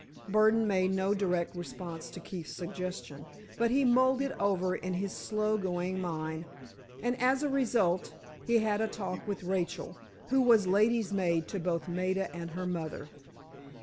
Burdon made no direct response to Keefe's suggestion, but he mulled it over in his slow going mind, and as a result, he had a talk with Rachel, who was ladies' maid to both Maida and her mother.